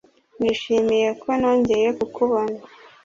Nishimiye ko nongeye kukubona